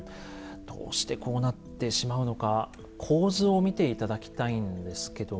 どうしてこうなってしまうのか構図を見て頂きたいんですけども。